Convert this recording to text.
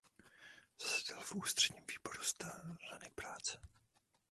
Zasedal v ústředním výboru Strany práce.